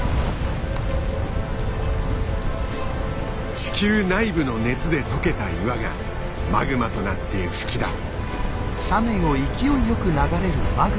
地球内部の熱で溶けた岩がマグマとなって噴き出す。